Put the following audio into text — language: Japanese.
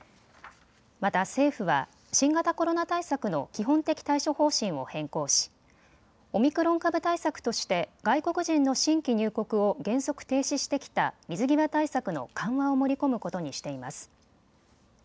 また、政府は新型コロナ対策の基本的対処方針を変更しオミクロン株対策として外国人の新規入国を原則停止してきた水際対策の緩和を盛り込むことにしています。